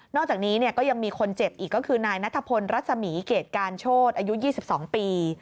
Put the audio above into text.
อกจากนี้ก็ยังมีคนเจ็บอีกก็คือนายนัทพลรัศมีเกรดการโชธอายุ๒๒ปี